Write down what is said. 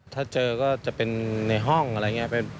ถ้าเจอก็จะเป็นในห้องอะไรอย่างนี้